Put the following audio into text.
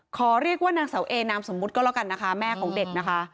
ขอเรียกว่านางเสาเอนามสมมุติก็แล้วกันนะคะแม่ของเด็กนะคะ